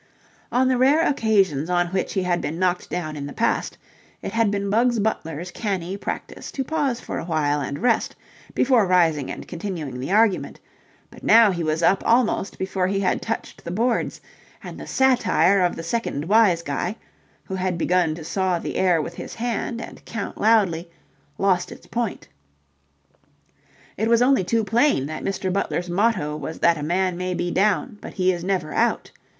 On the rare occasions on which he had been knocked down in the past, it had been Bugs Butler's canny practice to pause for a while and rest before rising and continuing the argument, but now he was up almost before he had touched the boards, and the satire of the second wise guy, who had begun to saw the air with his hand and count loudly, lost its point. It was only too plain that Mr. Butler's motto was that a man may be down, but he is never out.